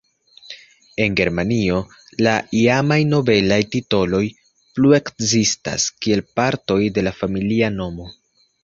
En Germanio la iamaj nobelaj titoloj plu ekzistas kiel partoj de la familia nomo.